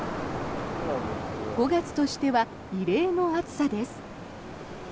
５月としては異例の暑さです。